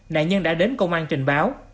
nạn nhân đã đến công an trình báo